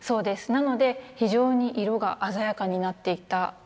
なので非常に色が鮮やかになっていったというのが。